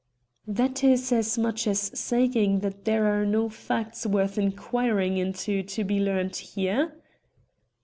"That is as much as saying that there are no facts worth inquiring into to be learnt here?"